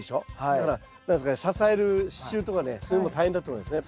だから何ですかね支える支柱とかねそういうのも大変だと思いますね。